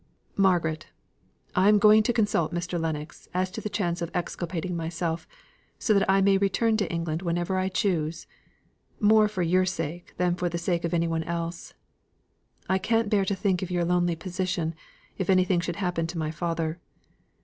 "Margaret! I am going to consult Mr. Lennox as to the chance of exculpating myself so that I may return to England whenever I choose, more for your sake than for the sake of anyone else. I can't bear to think of your lonely position if any thing should happen to my father.